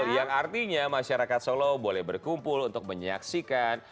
yang artinya masyarakat solo boleh berkumpul untuk menyaksikan